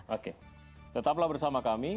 oke tetaplah bersama kami